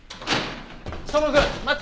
相馬くん待って！